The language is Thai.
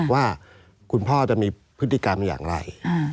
ว่าคุณพ่อจะมีพฤติกรรมอย่างไร